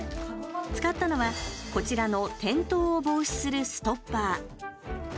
使ったのは、こちらの転倒を防止するストッパー。